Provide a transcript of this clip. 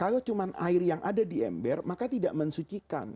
kalau cuma air yang ada di ember maka tidak mensucikan